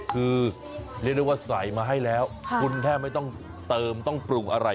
คือเรียกได้ว่าใส่มาให้แล้วคุณแทบไม่ต้องเติมต้องปรุงอะไร